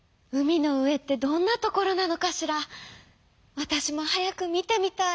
わたしもはやくみてみたい」。